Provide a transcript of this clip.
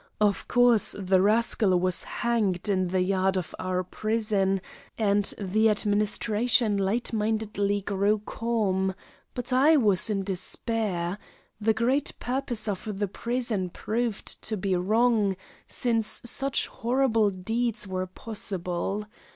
Of course the rascal was hanged in the yard of our prison, and the administration light mindedly grew calm, but I was in despair the great purpose of the prison proved to be wrong since such horrible deeds were possible.